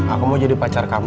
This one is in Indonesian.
aku mau jadi pacar kamu